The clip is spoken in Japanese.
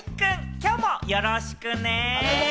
今日もよろしくね！